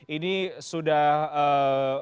ini sudah menurut anda